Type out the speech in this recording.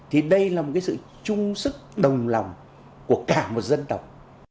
thì đây là một cái sự chung sức đồng lòng của cả một dân tộc